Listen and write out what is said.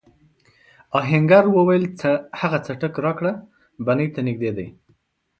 آهنګر وویل هغه څټک راکړه بنۍ ته نږدې دی.